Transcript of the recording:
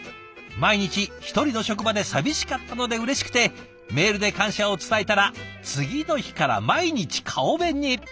毎日１人の職場で寂しかったのでうれしくてメールで感謝を伝えたら次の日から毎日顔弁に。